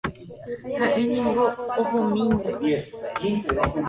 Ha'éniko ohomínte.